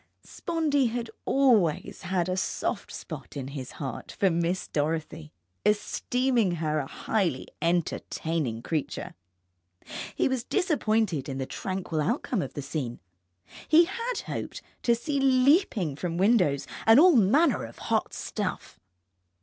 Spondee had always had a soft spot in his heart for Miss Dorothy, esteeming her a highly entertaining creature. He was disappointed in the tranquil outcome of the scene. He had hoped to see leaping from windows and all manner of hot stuff.